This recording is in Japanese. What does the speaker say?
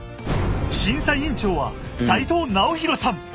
審査委員長は斎藤直宏さん。